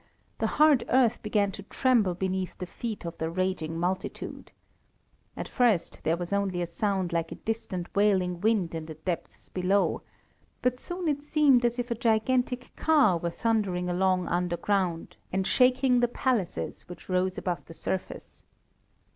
the hard earth began to tremble beneath the feet of the raging multitude. At first there was only a sound like a distant wailing wind in the depths below, but soon it seemed as if a gigantic car were thundering along underground, and shaking the palaces which rose above the surface.